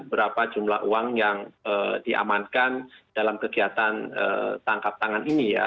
berapa jumlah uang yang diamankan dalam kegiatan tangkap tangan ini ya